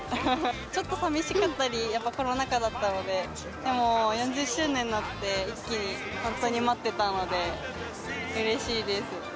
ちょっとさみしかったり、やっぱコロナ禍だったので、でも４０周年になって、一気に、本当に待っていたので、うれしいです。